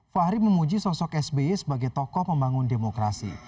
fahri memuji sosok sbi sebagai tokoh pembangun demokrasi